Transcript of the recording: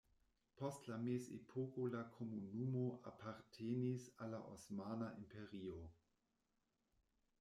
Post la mezepoko la komunumo apartenis al la Osmana Imperio.